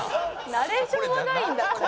「ナレーションもないんだ」